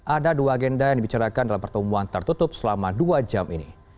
ada dua agenda yang dibicarakan dalam pertemuan tertutup selama dua jam ini